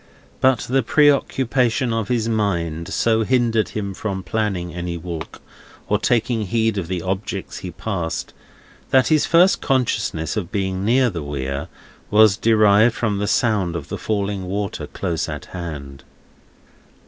But the preoccupation of his mind so hindered him from planning any walk, or taking heed of the objects he passed, that his first consciousness of being near the Weir, was derived from the sound of the falling water close at hand.